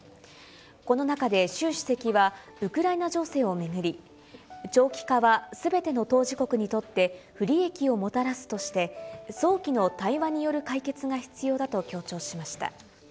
この中で習主席は、ウクライナ情勢を巡り、長期化はすべての当事国にとって不利益をもたらすとして、早期の対話による解決が必要だと強調しました。